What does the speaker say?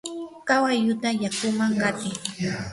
kawalluta yakuman qatiy.